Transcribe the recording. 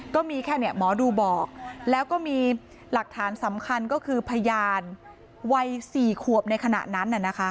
ก็มีแค่หมอดูบอกแล้วก็มีหลักฐานสำคัญก็คือพยานวัย๔ขวบในขณะนั้น